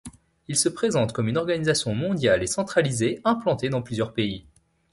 Il se présente comme une organisation mondiale et centralisée implantée dans plusieurs pays.